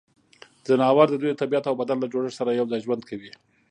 ځناور د دوی د طبعیت او بدن له جوړښت سره یوځای ژوند کوي.